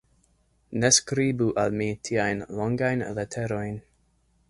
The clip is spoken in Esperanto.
Ne skribu al mi tiajn longajn leterojn.